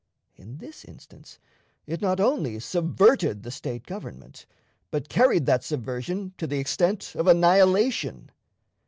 In this instance, it not only subverted the State government, but carried that subversion to the extent of annihilation.